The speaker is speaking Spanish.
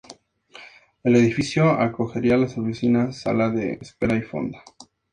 El edificio acogería las oficinas, sala de espera y fonda.